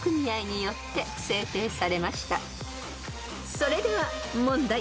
［それでは問題］